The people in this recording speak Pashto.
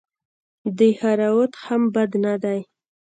دهراوت هم بد نه دئ.